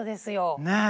ねえ！